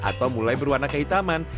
atau mulai berwarna kehitaman